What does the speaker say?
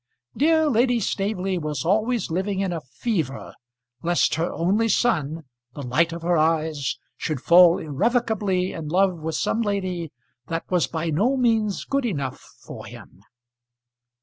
Dear Lady Staveley was always living in a fever lest her only son, the light of her eyes, should fall irrevocably in love with some lady that was by no means good enough for him.